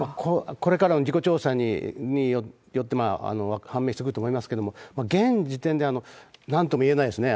これからの事故調査によって判明してくると思いますけれども、現時点でなんともいえないですね。